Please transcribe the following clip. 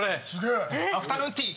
アフタヌーンティー！